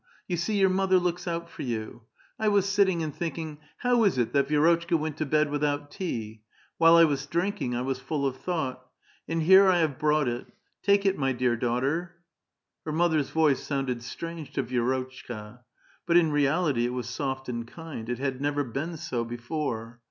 You see your mother looks out for you. I was sitting and thinking, ^ How is it that Vi^rotchka went to bed without tea?' While I was drinking 1 was full of thought. And here I have brought it. Take it, my dear daughter [vioya dotclika milaia\,*^ Her mother's voice sounded strange to Vi^rotchka ; but in reality, it was soft and kind ; it had never been so before.